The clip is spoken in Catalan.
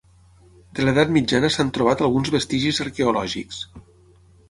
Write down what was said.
De l'Edat Mitjana s'han trobat alguns vestigis arqueològics.